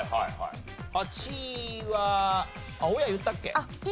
８位は大家言ったっけ？